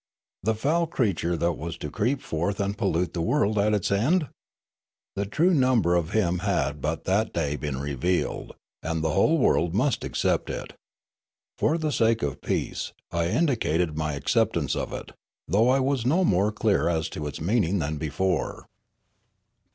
the foul creature that was to creep forth and pollute the world at its end ? The true number of him had but that day been revealed, and the whole world must accept it. For the sake of peace, I indicated my acceptance of it, though I was no more clear as to its meaning than before.